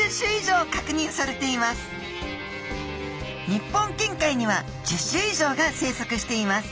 日本近海には１０種以上が生息しています。